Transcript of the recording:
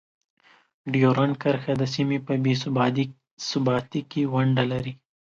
ډیورنډ کرښه د سیمې په بې ثباتۍ کې ونډه لري.